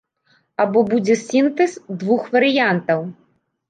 Або будзе сінтэз двух варыянтаў.